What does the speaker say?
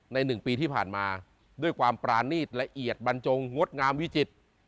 ๑ปีที่ผ่านมาด้วยความปรานีตละเอียดบรรจงงดงามวิจิตร